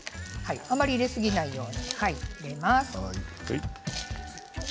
あまり入れすぎないように入れます。